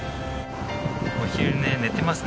お昼寝、寝ていますね。